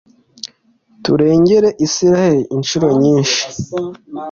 turengera israheli incuro nyinshi